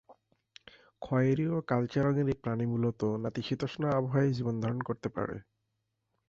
খয়েরি ও কালচে রঙের এ প্রাণী মূলত নাতিশীতোষ্ণ আবহাওয়ায় জীবন ধারণ করতে পারে।